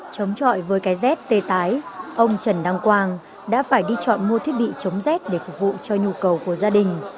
chống chọi với cái z tê tái ông trần đăng quang đã phải đi chọn mua thiết bị chống z để phục vụ cho nhu cầu của gia đình